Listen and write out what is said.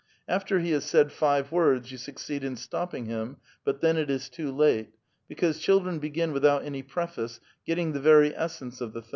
After he has said five words you succeed in stopping him, but then it is too late ; because children begin without any preface, getting the very essence of the!